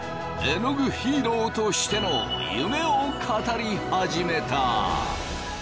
えのぐヒーローとしての夢を語り始めた。